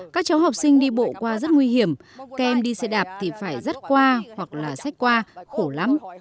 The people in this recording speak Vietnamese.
các cháu học sinh đi bộ qua rất nguy hiểm kèm đi xe đạp thì phải dắt qua hoặc là xách qua khổ lắm